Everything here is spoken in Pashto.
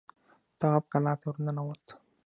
تواب کلا ته ور ننوت.